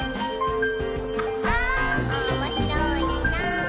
「おもしろいなぁ」